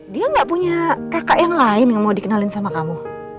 dia gak punya kakak yang lain yang mau dikenalin sama kamu